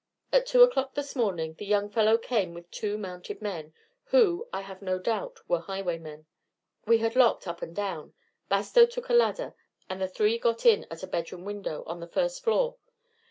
At two o'clock this morning the young fellow came with two mounted men, who, I have no doubt, were highwaymen. We had locked up down below. Bastow took a ladder, and the three got in at a bedroom window on the first floor.